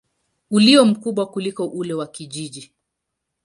ulio mkubwa kuliko ule wa kijiji.